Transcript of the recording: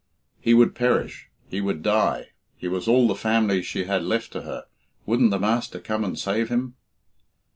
He would perish; he would die; he was all the family she had left to her wouldn't the master come and save him?